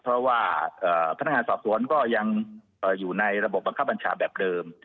เพราะว่าพนักงานสอบสวนก็ยังอยู่ในระบบบังคับบัญชาแบบเดิม